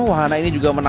wahana ini juga menarik